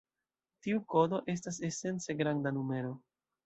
Tiu kodo estas esence granda numero.